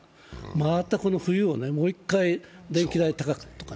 またこの冬をもう一回、電気代高くとか。